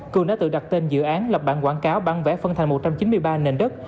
cường đã tự đặt tên dự án lập bản quảng cáo bán vẽ phân thành một trăm chín mươi ba nền đất